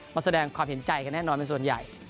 มาแสดงความเห็นใจกันแน่นอนเป็นส่วนใหญ่